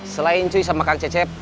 selain cui sama kang cecep